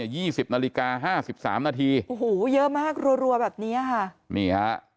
โอ้โหเยอะมากรัวแบบนี้อะค่ะ